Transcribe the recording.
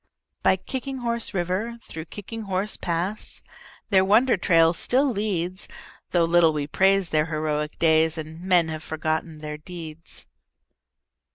By Kicking Horse River, through Kicking Horse Pass, Their wonder trail still leads, Though little we praise their heroic days And men have forgotten their deeds.